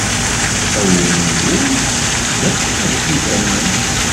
Tawuri n wul d asiweḍ n yidammen.